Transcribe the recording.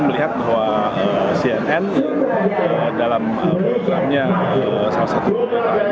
liputan cnn indonesia tersebut memiliki kegigihan dalam mencari data yang detail dari berbagai sumber serta memenuhi prinsip prinsip jurnalisme